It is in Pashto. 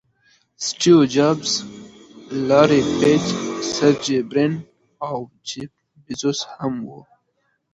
سټیو جابز، لاري پیج، سرجي برین او جیف بیزوز هم وو.